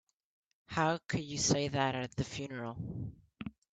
How could you say that at the funeral?